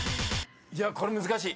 これ難しい！